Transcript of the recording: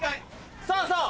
そうそう！